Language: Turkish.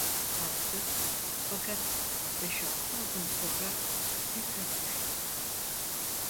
Kalktı, fakat beş altı adım sonra tekrar düştü.